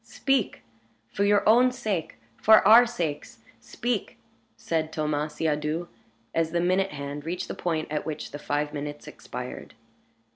"Speak! for your own sake, for our sakes, speak!" said Thomas Siadoux, as the minute hand reached the point at which the five minutes expired.